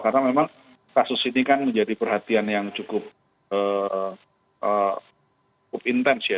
karena memang kasus ini kan menjadi perhatian yang cukup intens ya